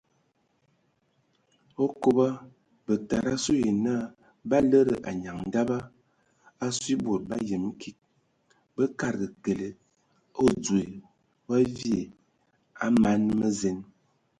Okoba bətada asu yə na ba lədə anyaŋ daba asue e bod ba yəm kig bə kadəga kəle odzoe wa vie a man mə zen.